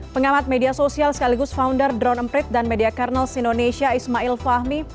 pengamat media sosial sekaligus founder drone emprit dan media karnels indonesia ismail fahmi